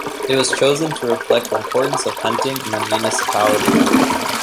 It was chosen to reflect the importance of hunting in the municipality.